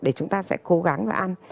để chúng ta sẽ cố gắng và ăn